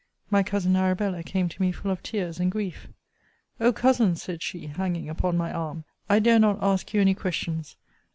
My cousin Arabella came to me full of tears and grief. O Cousin! said she, hanging upon my arm, I dare not ask you any questions!